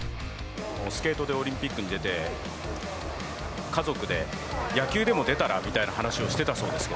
スケートでオリンピックに出て、家族で、野球でも出たらみたいな話をしてたそうですよ。